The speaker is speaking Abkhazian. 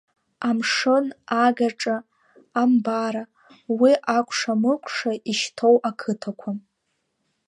Амшын, агаҿа, Амбара, уи акәша-мыкәша ишьҭоу ақыҭақәа.